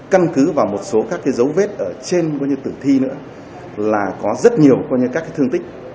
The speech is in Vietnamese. căn cứ vào một số các cái dấu vết ở trên tử thi nữa là có rất nhiều các cái thương tích